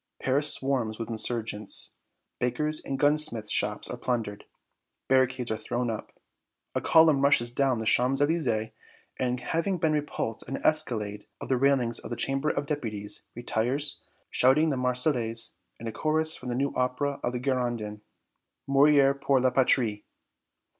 Paris swarms with insurgents. Bakers' and gunsmiths' shops are plundered. Barricades are thrown up. A column rushes down the Champs Elysées, and, having been repulsed at an escalade of the railings of the Chamber of Deputies, retires, shouting the Marseillaise and a chorus from the new opera of the Girondins, "Mourir pour la Patrie."